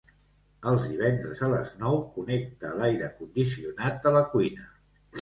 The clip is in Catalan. Els divendres a les nou connecta l'aire condicionat de la cuina.